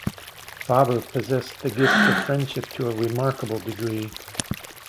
Faber possessed the gift of friendship to a remarkable degree.